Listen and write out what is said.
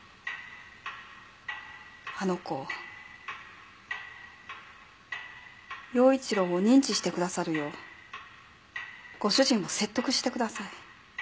あの子を耀一郎を認知してくださるようご主人を説得してください。